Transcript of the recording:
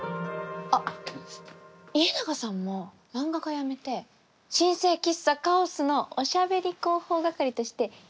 あっ家長さんも漫画家やめて新生喫茶カオスのおしゃべり広報係として一緒に働きませんか？